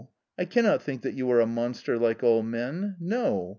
I cannot think that you are a monster, like all men ; no